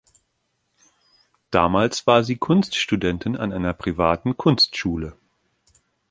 Damals war sie Kunststudentin an einer privaten Kunstschule.